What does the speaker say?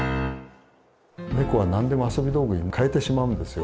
ネコは何でも遊び道具に変えてしまうんですよ。